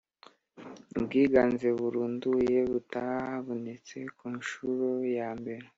ubwiganze burunduye butabonetse ku nshuro ya mbere